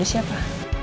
ada siapa